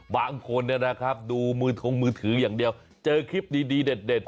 บางคนดูมือทงมือถืออย่างเดียวเจอคลิปดีเด็ด